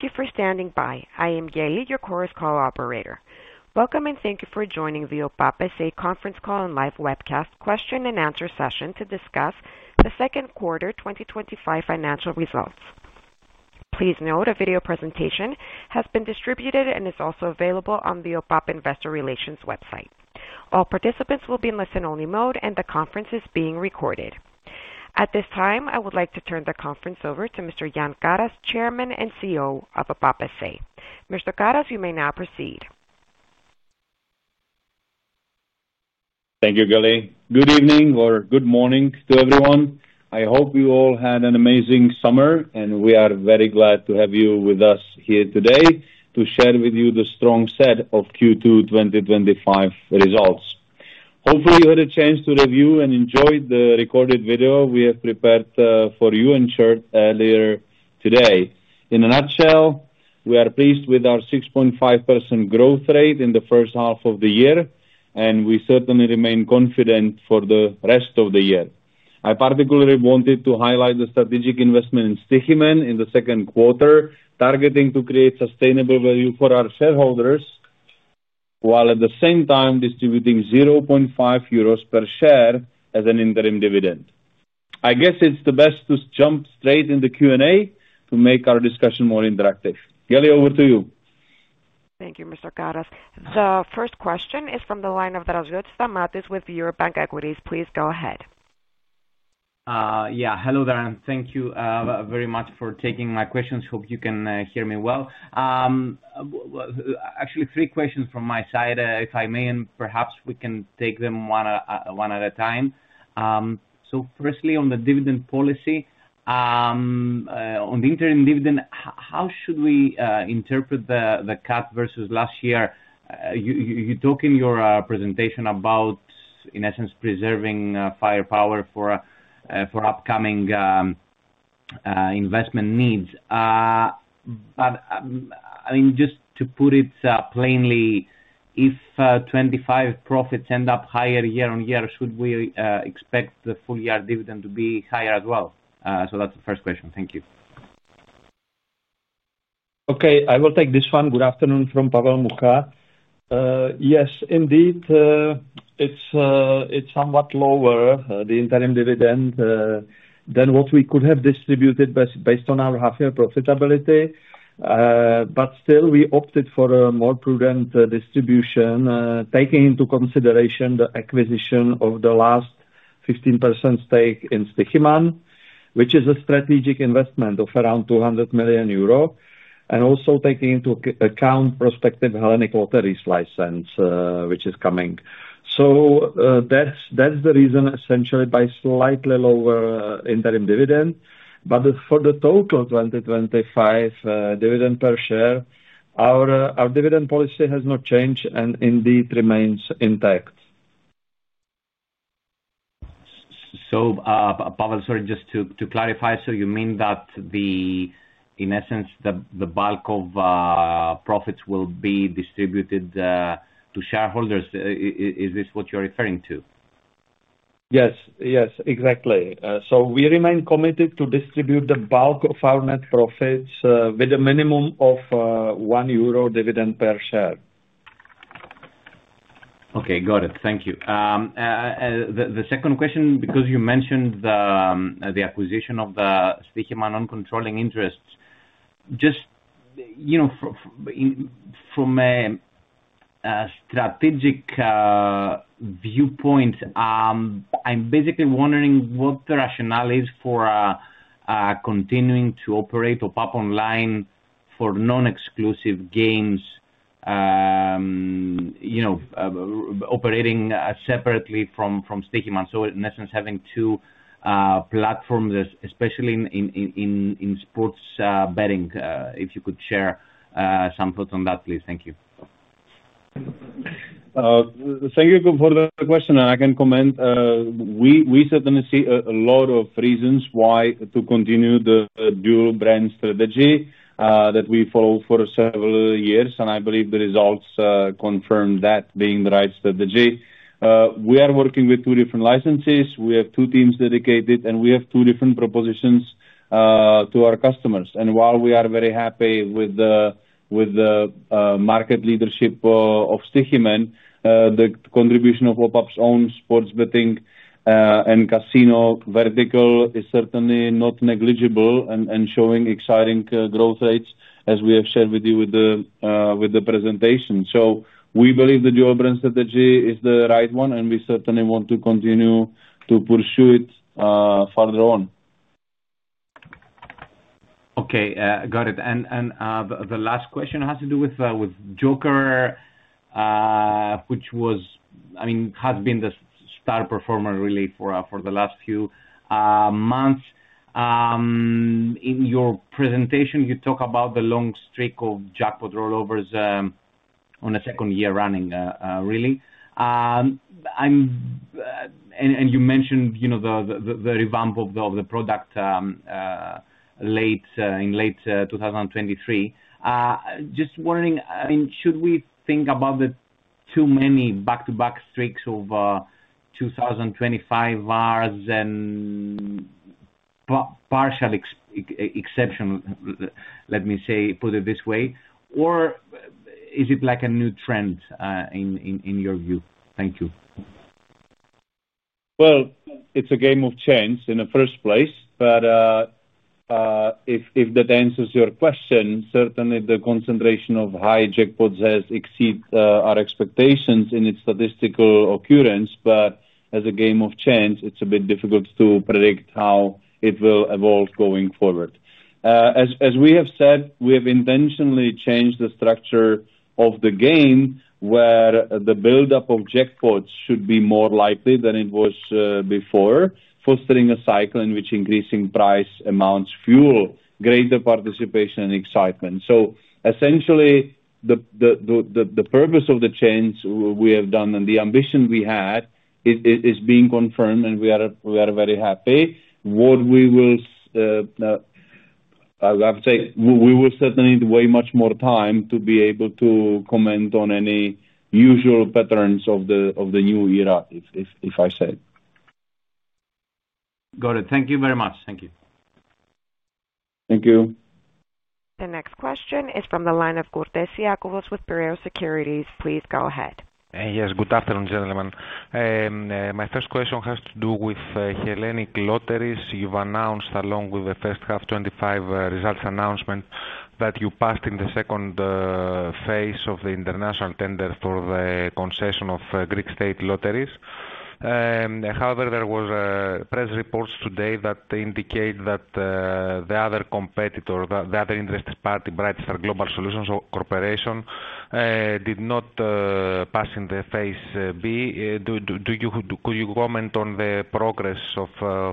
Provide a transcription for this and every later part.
thank you for standing by. I am Yaeli, your Chorus Call operator. Welcome and thank you for joining the OPAP S. A. Conference Call and Live Webcast Question and Answer Session to discuss the Second Quarter twenty twenty five Financial Results. Please note a video presentation has been distributed and is also available on the OPAP Investor Relations website. All participants will be in listen only mode and the conference is being recorded. At this time, I would like to turn the conference over to Mr. Jan Carras, Chairman and CEO of Apapa SE. Mr. Carras, you may now proceed. Thank you, Gale. Good evening or good morning to everyone. I hope you all had an amazing summer and we are very glad to have you with us here today to share with you the strong set of Q2 twenty twenty five results. Hopefully, you had a chance to review and enjoyed the recorded video we have prepared for you and Shirt earlier today. In a nutshell, we are pleased with our 6.5% growth rate in the first half of the year and we certainly remain confident for the rest of the year. I particularly wanted to highlight the strategic investment in Stoiximan in the second quarter, targeting to create sustainable value for our shareholders, while at the same time distributing €0.5 per share as an interim dividend. I guess it's the best to jump straight in the Q and A to make our discussion more interactive. Geli, over to you. Thank you, Mr. Carras. The first question is from the line of Darajuato Stamatis with Eurobank Equities. Please go ahead. Yes. Hello, Darren. Thank you very much for taking my questions. Hope you can hear me well. Actually, questions from my side, if I may, and perhaps we can take them one at a time. So firstly, on the dividend policy, on the interim dividend, how should we interpret the cut versus last year? You talk in your presentation about, in essence, preserving firepower for upcoming investment needs. But I mean, just to put it plainly, if 25% profits end up higher year on year, should we expect the full year dividend to be higher as well? So that's the first question. Thank you. Okay. I will take this one. Good afternoon from Pavel Mukha. Yes, indeed, it's somewhat lower, the interim dividend than what we could have distributed based on our half year profitability. But still, we opted for a more prudent distribution taking into consideration the acquisition of the last 15% stake in Stoiximan, which is a strategic investment of around €200,000,000 and also taking into account prospective Hellenic Water lease license, which is coming. So that's the reason essentially by slightly lower interim dividend. But for the total $20.25 dividend per share, our dividend policy has not changed and indeed remains intact. Pavel, sorry, just to clarify. So you mean that the in essence, the bulk of profits will be distributed to shareholders. Is this what you're referring to? Yes, yes, exactly. So we remain committed to distribute the bulk of our net profits with a minimum of 1 euro dividend per share. Okay, got it. Thank you. The second question, because you mentioned the acquisition of the Sticheman non controlling interests. Just from strategic viewpoint, I'm basically wondering what the rationale is for continuing to operate OPAP Online for nonexclusive games operating separately from Stakeyman. So in essence having two platforms, especially in sports betting, if you could share some thoughts on that, please. Thank you. Thank you for the question. I can comment. We certainly see a lot of reasons why to continue the dual brand strategy that we follow for several years. And I believe the results confirm that being the right strategy. We are working with two different licenses. We have two teams dedicated and we have two different propositions to our customers. And while we are very happy with the market leadership of Sticheman, the contribution of OPAP's own sports betting and casino vertical is certainly not negligible and showing exciting growth rates as we have shared with you with the presentation. So we believe the Geo brand strategy is the right one and we certainly want to continue to pursue it further on. Okay. Got it. And the last question has to do with Joker, which was I mean, has been the star performer really for the last few months. In your presentation, you talk about the long streak of jackpot rollovers on a second year running really. And you mentioned the revamp of the product late in late twenty twenty three. Just wondering, I mean, should we think about the too many back to back streaks of 2025 bars and partial exceptional, let me say, put it this way? Or is it like a new trend in your view? Thank you. Well, it's a game of chance in the first place. But if that answers your question, certainly the concentration of high jackpots has exceed our expectations in its statistical occurrence. But as a game of change, it's a bit difficult to predict how it will evolve going forward. As we have said, we have intentionally changed the structure of the game where the buildup of jackpots should be more likely than it was before, fostering a cycle in which increasing price amounts fuel greater participation and excitement. So essentially, the purpose of the change we have done and the ambition we had is being confirmed and we are very happy. What we will would say, we will certainly need way much more time to be able to comment on any usual patterns of the new era if I said. Got it. Thank you very much. Thank you. Thank you. The next question is from the line of Cortes Iacobos with Bereo Securities. Please go ahead. Yes, good afternoon gentlemen. My first question has to do with Hellenic Lotteries. You've announced along with the first half twenty twenty five results announcement that you passed in the second phase of international tender for the concession of Greek state lotteries. However, there was press reports today that indicate that the other competitor, the other interested party, Breitster Global Solutions Corporation, did not pass in the Phase B. Do you could you comment on the progress of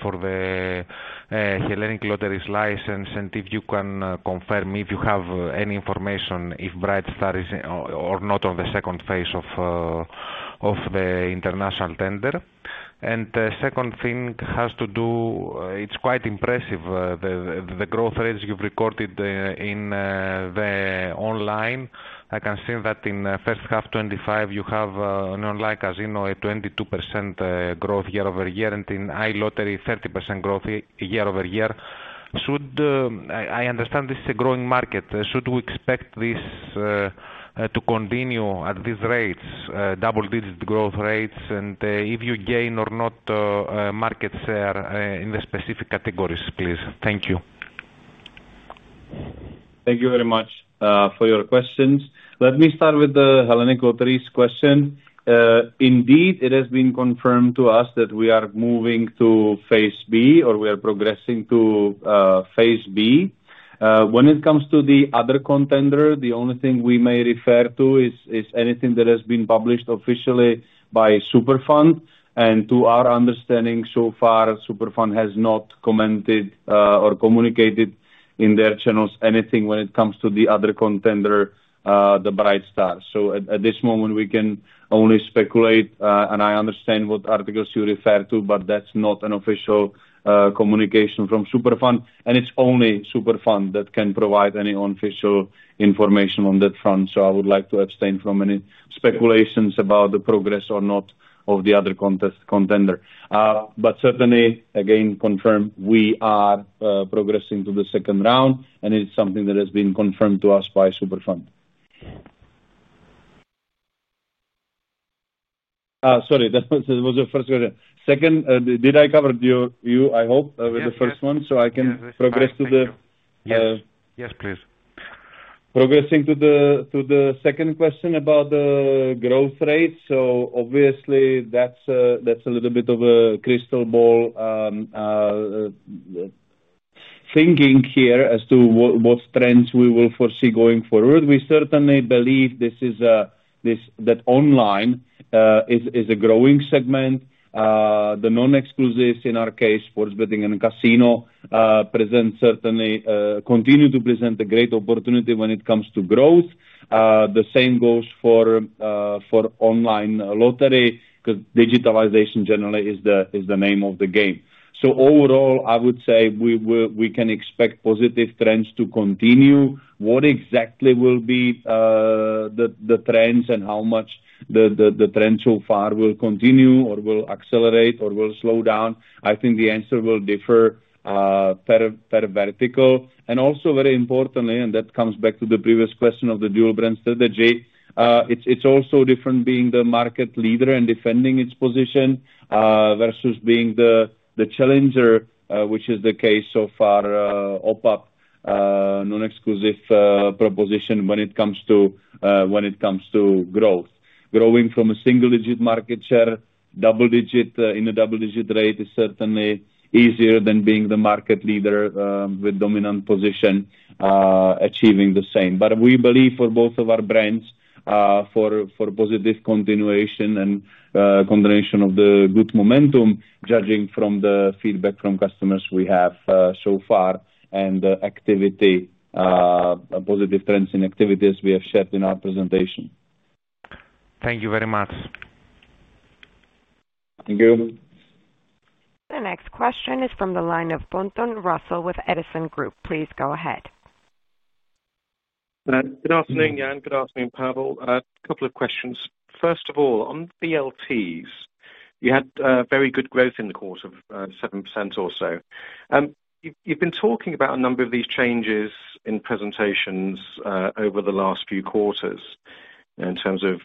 for the Hellenic Lotteries license? And if you can confirm if you have any information if Brightstar is or not on the second phase of the international tender? And the second thing has to do it's quite impressive, the growth rates you've recorded in the online. I can say that in the first half twenty twenty five, you have an online, as you know, a 22% growth year over year and in high lottery, 30 growth year over year. Should I understand this is a growing market. Should we expect this to continue at these rates, double digit growth rates? And if you gain or not market share in the specific categories, please? Thank you. Thank Thank you very much for your questions. Let me start with the Helaneco three's question. Indeed, it has been confirmed to us that we are moving to Phase B or we are progressing to Phase B. When it comes to the other contender, the only thing we may refer to is anything that has been published officially by Superfund. And to our understanding so far Superfund has not commented or communicated in their channels anything when it comes to the other contender, the bright stars. So at this moment, we can only speculate and I understand what articles you refer to, but that's not an official communication from Superfund. And it's only Superfund that can provide any unofficial information on that front. So I would like to abstain from any speculations about the progress or not of the other contest contender. But certainly, again confirm we are progressing to the second round and it's something that has been confirmed to us by Superfund. Sorry, that was the first question. Second, did I cover your view, I hope, with the first one, so I can Yes. Progress to the Yes, please. Progressing to the to the second question about the growth rate. So obviously, that's a little bit of a crystal ball thinking here as to what trends we will foresee going forward. We certainly believe this is this that online is a growing segment. The non exclusives in our case sports betting and casino present certainly continue to present a great opportunity when it comes to growth. The same goes for online lottery, because digitalization generally is the name of the game. So overall, I would say, we can expect positive trends to continue. What exactly will be the trends and how much the trend so far will continue or will accelerate or will slow down? I think the answer will differ per vertical. And also very importantly, and that comes back to the previous question of the dual brand strategy, it's also different being the market leader and defending its position, versus being the challenger, which is the case so far OPAP non exclusive proposition when it comes to growth. Growing from a single digit market share, double digit in a double digit rate is certainly easier than being the market leader with dominant position achieving the same. But we believe for both of our brands, for positive continuation and combination of the good momentum judging from the feedback from customers we have so far and activity positive trends in activities we have shared in our presentation. Thank you very much. Thank you. Next question is from the line of Bonton Russell with Edison Group. Please go ahead. Good afternoon, Jan. Good afternoon, Pavel. A couple of questions. First of all, on VLTs, you had very good growth in the quarter, 7% or so. You've been talking about a number of these changes in presentations over the last few quarters in terms of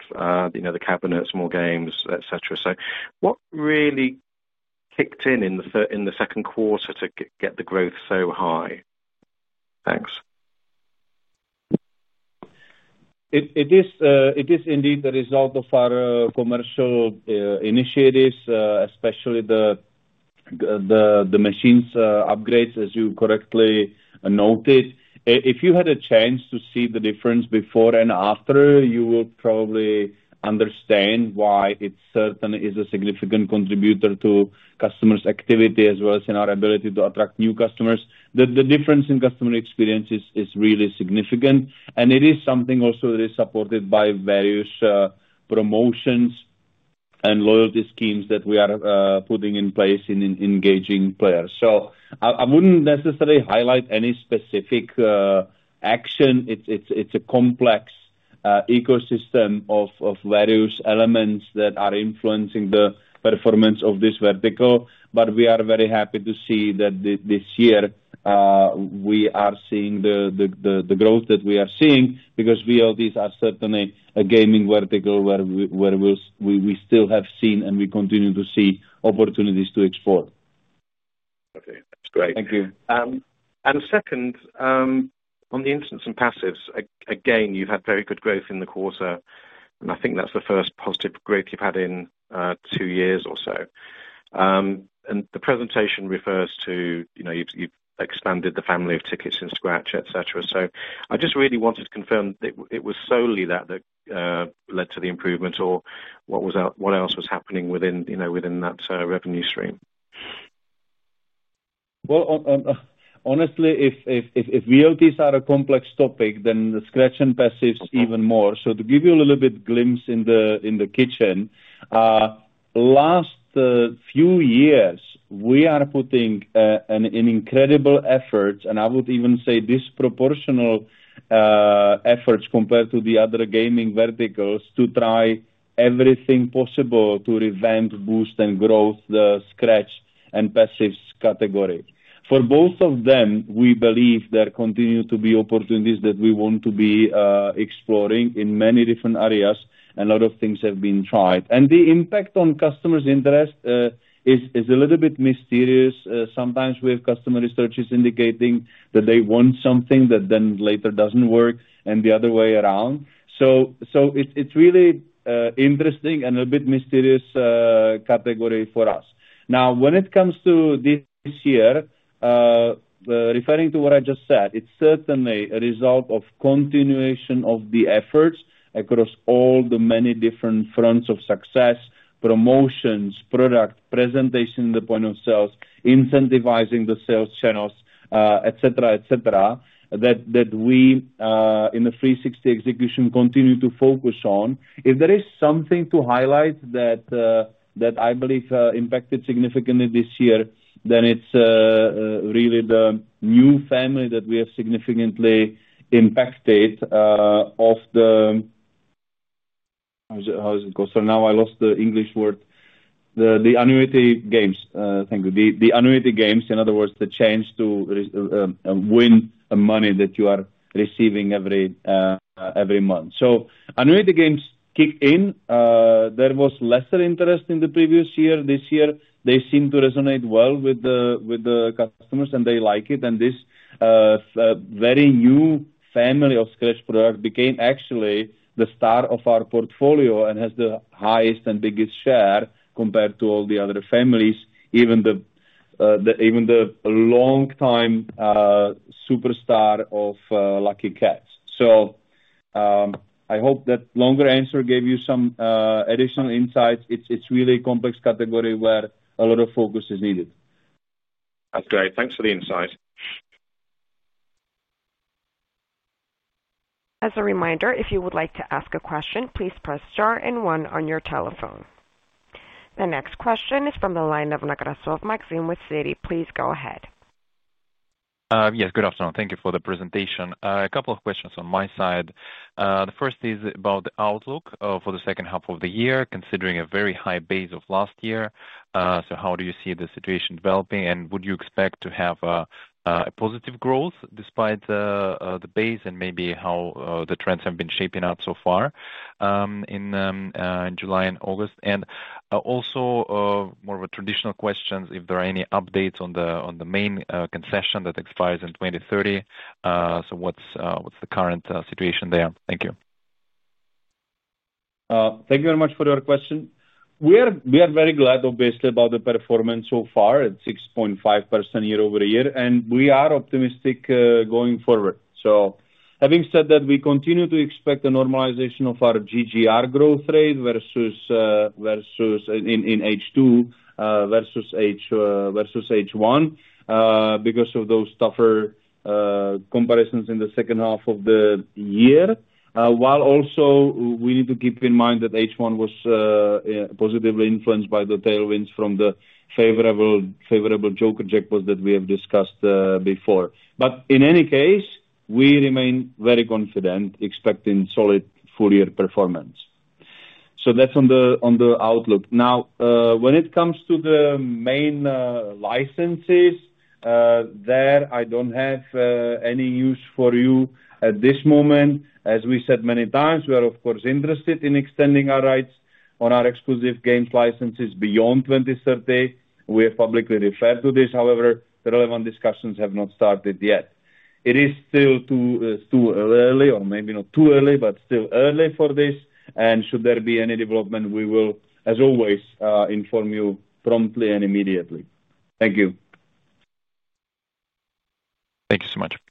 cabinets, more games, etcetera. So what really kicked in second quarter to get the growth so high? Thanks. It is indeed the result of our commercial initiatives, especially the machines upgrades, as you correctly noted. If you had a chance to see the difference before and after, you will probably understand why it certainly is a significant contributor to customers' activity as well as in our ability to attract new customers. The difference in customer experience is really significant. And it is something also that is supported by various promotions and loyalty schemes that we are putting in place in engaging players. So I wouldn't necessarily highlight any specific action. It's a complex ecosystem of various elements that are influencing the performance of this vertical. But we are very happy to see that this year, we are seeing the growth that we are seeing because VLTs are certainly a gaming vertical where we still have seen and we continue to see opportunities to explore. Okay. That's great. Thank you. And second, on the instance and passives, again, you've had very good growth in the quarter. And I think that's the first positive growth you've had in two years or so. And the presentation refers to you've expanded the family of tickets in scratch, etcetera. So I just really wanted to confirm that it was solely that led to the improvement? Or what was out what else was happening within that revenue stream? Well, honestly, VLTs are a complex topic, then the scratch and passives even more. So to give you a little bit glimpse in the kitchen, last few years, we are putting an incredible effort and I would even say disproportional efforts compared to the other gaming verticals to try everything possible to revamp boost and grow the scratch and passives category. For both of them, we believe there continues to be opportunities that we want to be exploring in many different areas and a lot of things have been tried. And the impact on customers' interest is a little bit mysterious. Sometimes we have customer researches indicating that they want something that then later doesn't work and the other way around. So it's really interesting and a bit mysterious category for us. Now when it comes to this year, referring to what I just said, it's certainly a result of continuation of the efforts across all the many different fronts of success, promotions, product, presentation in the point of sales, incentivizing the sales channels, etcetera, etcetera that we in the three sixty execution continue to focus on. If there is something to highlight that I believe impacted significantly this year, then it's really the new family that we have significantly impacted of the how does it go? So now I lost the English word. The annuity games, in other words, the change to win a money that you are receiving every month. So, annuity games kick in. There was lesser interest in the previous year. This year, they seem to resonate well with the customers and they like it. And this very new family of Scratch product became actually the star of our portfolio and has the highest and biggest share compared to all the other families, long time superstar of Lucky Cats. So I hope that longer answer gave you some additional insights. It's really a complex category where a lot of focus is needed. That's great. Thanks for the insight. The next question is from the line of Nagarasov Maxim with Citi. Please go ahead. Yes, good afternoon. Thank you for the presentation. A couple of questions on my side. The first is about the outlook for the second half of the year considering a very high base of last year. So how do you see the situation developing? And would you expect to have a positive growth despite the base and maybe how the trends have been shaping up so far in July and August? And also more of a traditional questions, if there are any updates on the main concession that expires in 02/1930? So what's the current situation there? Thank you. Thank you very much for your question. We are very glad obviously about the performance so far at six point five percent year over year. And we are optimistic going forward. So having said that, we continue to expect the normalization of our GGR growth rate versus in H2 versus H1 because of those tougher comparisons in the second half of the year. While also we need to keep in mind that H1 was positively influenced by the tailwinds from the favorable Joker jackpot that we have discussed before. But in any case, we remain very confident expecting solid full year performance. So that's on outlook. Now when it comes to the main licenses there I don't have any use for you at this moment. As we said many times, we are of course interested in extending our rights on our exclusive games licenses beyond 02/1930. We have publicly referred to this. However, relevant discussions have not started yet. It is still too early or maybe not too early, but still early for this. And should there be any development, we will as always inform you promptly and immediately. Thank you. Thank you so much.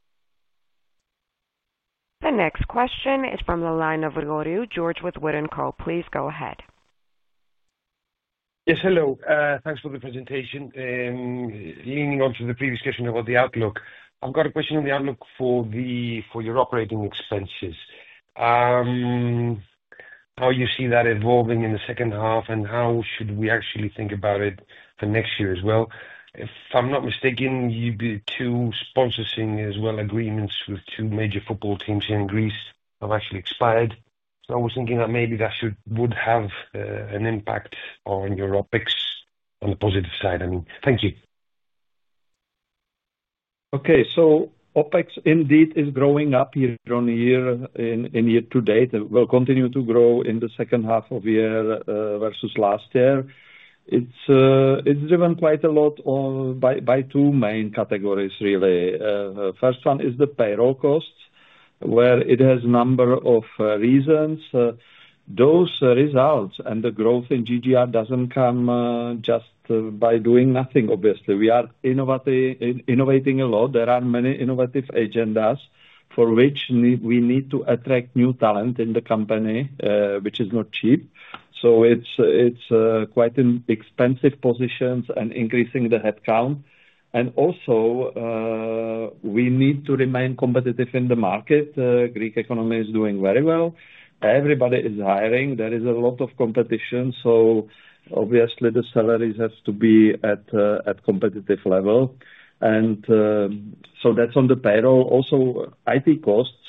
The next question is from the line of Rodrigo George with Wood and Co. Please go ahead. Yes, hello. Thanks for the presentation. Leaning on to the previous question about the outlook. I've got a question on the outlook for the for your operating expenses. How you see that evolving in the second half? And how should we actually think about it for next year as well? If I'm not mistaken, you did two sponsorships in as well agreements with two major football teams here in Greece have actually expired. So I was thinking that maybe that should would have an impact on your OpEx on the positive side, I mean. Thank you. Okay. So OpEx indeed is growing up year on year It will continue to grow in the second half of year versus last year. It's driven quite a lot by two main categories really. First one is the payroll costs, where it has a number of reasons. Those results and the growth in GGR doesn't come just by doing nothing obviously. We are innovating a lot. There are many innovative agendas for which need we need to attract new talent in the company, which is not cheap. So it's it's quite an expensive positions and increasing the headcount. And also, we need to remain competitive in the market. Greek economy is doing very well. Everybody is hiring. There is a lot of competition. So obviously the salaries has to be at competitive level. And so that's on the payroll. Also IT costs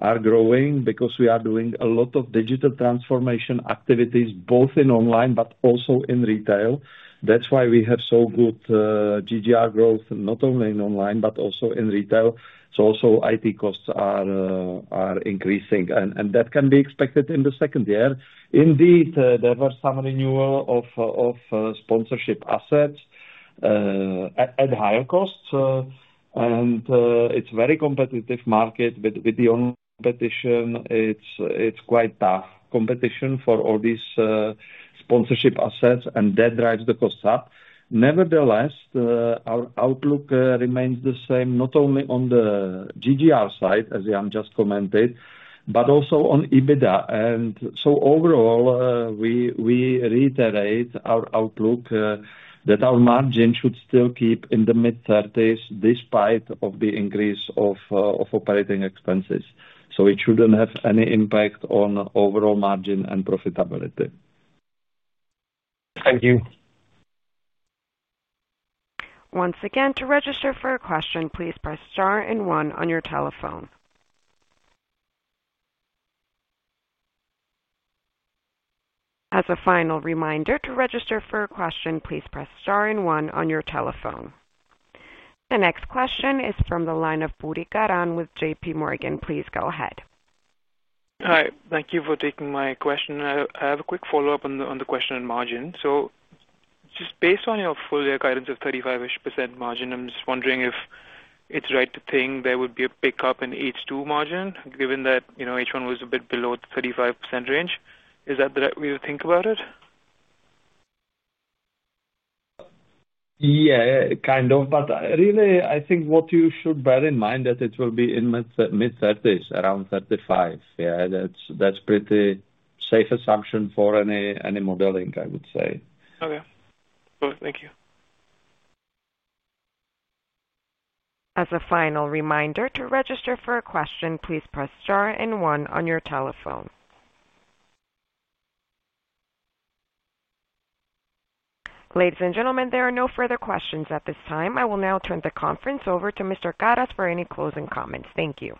are growing because we are doing a lot of digital transformation activities both in online, but also in retail. That's why we have so good GGR growth not only in online, but also in retail. So also IT costs are increasing and that can be expected in the second year. Indeed there were some renewal of sponsorship assets higher costs. And it's very competitive market with the competition. It's quite tough competition for all these sponsorship assets and that drives the cost up. Nevertheless, our outlook remains the same not only on the GGR side as Jan just commented, but also on EBITDA. And so overall, we reiterate our outlook that our margin should still keep in the mid-30s despite of the increase of operating expenses. So it shouldn't have any impact on overall margin and profitability. Thank you. The next question is from the line of Burikharan with JPMorgan. Please go ahead. Hi. Thank you for taking my question. I have a quick follow-up on the question on margin. So just based on your full year guidance of 35% ish margin, I'm just wondering if it's right to think there would be a pickup in H2 margin given that H1 was a bit below the 35% range. Is that the right way to think about it? Yes, kind of. But really I think what you should bear in mind that it will be in mid-30s around 35%. Yes, that's pretty safe assumption for any Mobilinq I would say. Okay. Thank you. Ladies and gentlemen, there are no further questions at this time. I will now turn the conference over to Mr. Carras for any closing comments. Thank you.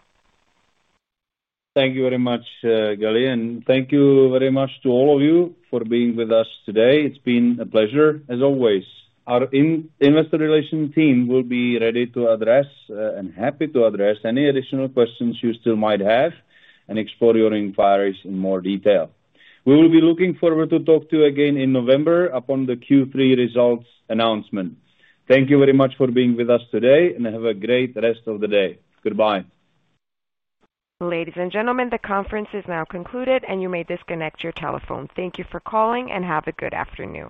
Thank you very much, Gali, and thank you very much to all of you for being with us today. It's been a pleasure as always. Our Investor Relations team will be ready to address and happy to address any additional questions you still might have and explore your inquiries in more detail. We will be looking forward to talk to you again in November upon the Q3 results announcement. Thank you very much for being with us today and have a great rest of the day. Goodbye. Ladies and gentlemen, the conference is now concluded and you may disconnect your telephone. Thank you for calling and have a good afternoon.